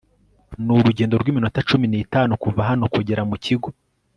ni urugendo rw'iminota cumi n'itanu kuva hano kugera mu kigo